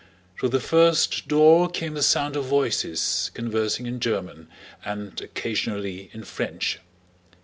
Through the first door came the sound of voices conversing in German and occasionally in French.